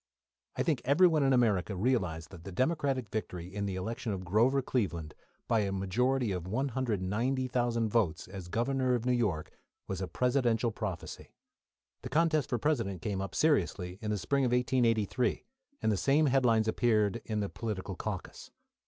I think everyone in America realised that the Democratic victory in the election of Grover Cleveland, by a majority of 190,000 votes, as Governor of New York, was a presidential prophecy. The contest for President came up, seriously, in the spring of 1883, and the same headlines appeared in the political caucus.